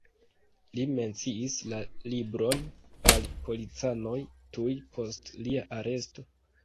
Li menciis la libron al policanoj tuj post lia aresto.